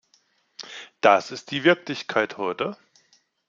Das ist die Wirklichkeit heute.